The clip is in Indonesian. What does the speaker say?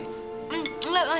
enggak makasih om